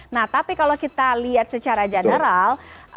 nah tapi kalau kita lihat secara general